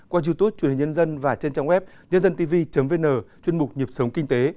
qua youtube truyền hình nhân dân và trên trang web nhândantv vn chuyên mục nhịp sống kinh tế